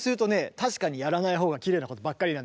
確かにやらないほうがきれいなことばっかりなんだよね。